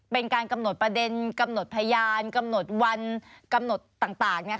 เป็นการกำหนดประเด็นกำหนดพยานกำหนดวันกำหนดต่าง